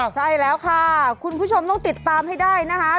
ใช่แล้วค่ะคุณผู้ชมต้องติดตามให้ได้นะคะ